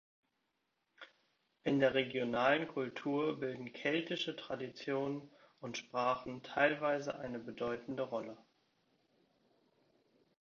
In der regionalen Kultur bilden keltische Traditionen und Sprachen teilweise eine bedeutende Rolle.